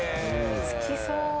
好きそう。